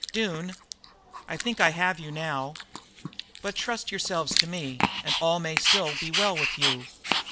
"Doone, I think I have you now. But trust yourselves to me, and all may still be well with you.